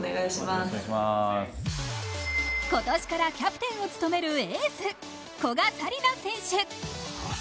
今年からキャプンを務めるエース・古賀紗理那選手。